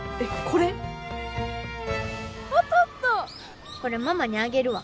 これママにあげるわ。